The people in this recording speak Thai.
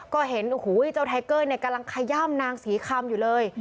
ก็เห็นโอ้โหเจ้าไทเกอร์กำลังขย่ำนางศรีคำอยู่เลย